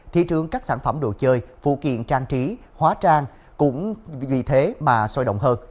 thị trường các sản phẩm đồ chơi phụ kiện trang trí hóa trang cũng vì thế mà sôi động hơn